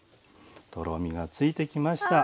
とろみがついてきました。